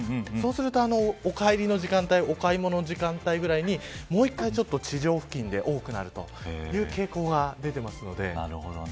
そうするとお帰りの時間帯お買い物の時間帯ぐらいにもう１回、地上付近で多くなるという傾向が出ています。